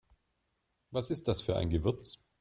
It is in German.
Was ist das für ein Gewürz?